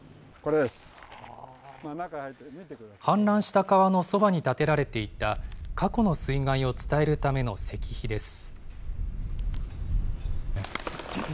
氾濫した川のそばに立てられていた過去の水害を伝えるための石碑です。